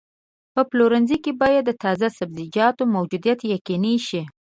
په پلورنځي کې باید د تازه سبزیجاتو موجودیت یقیني شي.